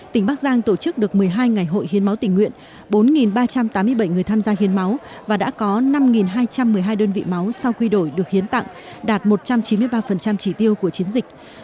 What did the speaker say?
tỉnh bắc giang tổ chức được một mươi hai ngày hội hiến máu tình nguyện bốn ba trăm tám mươi bảy người tham gia hiến máu và đã có năm hai trăm một mươi hai đơn vị máu sau quy đổi được hiến tặng đạt một trăm chín mươi ba trí tiêu của chiến dịch